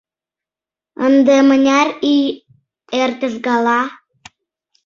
«Ынде мыняр ий эртыш гала?